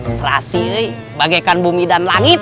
strasi bagaikan bumi dan langit